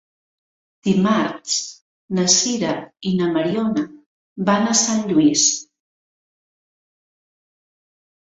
Dimarts na Sira i na Mariona van a Sant Lluís.